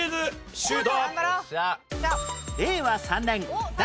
シュート！